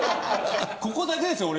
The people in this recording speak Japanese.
ここだけですよ